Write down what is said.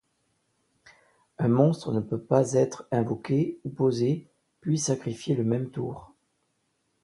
Un monstre ne peut pas être invoqué ou posé puis sacrifié le même tour.